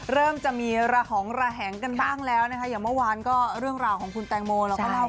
เริ่มจะมีระหองระแหงกันบ้างแล้วนะคะอย่างเมื่อวานก็เรื่องราวของคุณแตงโมเราก็เล่า